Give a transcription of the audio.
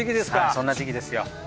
そんな時期ですよ。